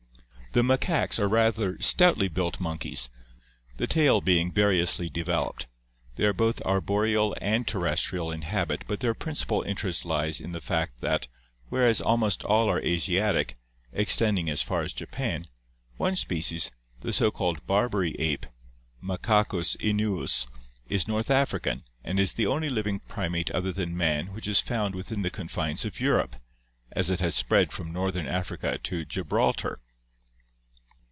The macaques are rather stoutly built monkeys, the tail being ;, Africa. (Photograph THE EVOLUTION OF MAN 647 variously developed. They are both arboreal and terrestrial in habit but their principal interest lies in the fact that, whereas al most all are Asiatic, extending as far as Japan, one species, the so called Barbary ape (Macacos inuus) is North African and is the only living primate other than man which is found within the con fines of Europe, as it has spread from northern Africa to Gibraltar.